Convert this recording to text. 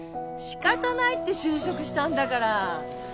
仕方ないって就職したんだから。